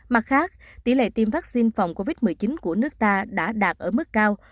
mặt khác tỷ lệ tiêm vaccine phòng covid một mươi chín của nước ta đã đạt ở mức cao